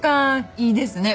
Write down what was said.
いいですね。